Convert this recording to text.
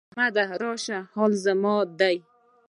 احمد راشه حال زمانه ده.